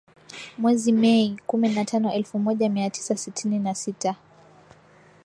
Mwezi Mei, kumi na tano elfu moja mia tisa sitini na sita